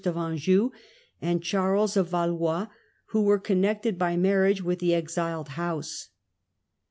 of Anjou, and Charles of Valois, who were connected by marriage with the exiled house.